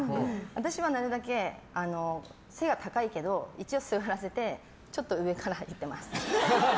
私はなるたけ背は高いけど一応座らせてちょっと上から言ってます。